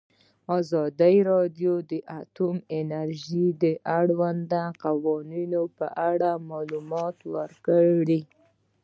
ازادي راډیو د اټومي انرژي د اړونده قوانینو په اړه معلومات ورکړي.